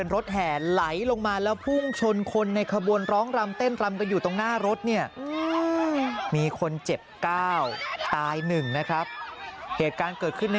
รถเนี่ยมีคนเจ็บเก้าตายหนึ่งนะครับเหตุการเกิดขึ้นใน